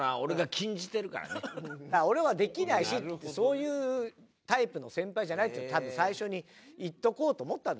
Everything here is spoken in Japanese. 俺はできないしそういうタイプの先輩じゃないっていうのを多分最初に言っとこうと思ったんだろうねきっとね。